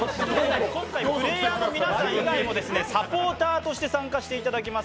プレーヤーの皆さん以外にもサポーターとして参加していただきます。